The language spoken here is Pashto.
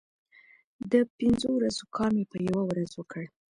د پنځو ورځو کار مې په یوه ورځ وکړ.